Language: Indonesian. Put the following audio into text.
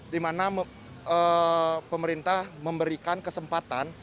di mana pemerintah memberikan kesempatan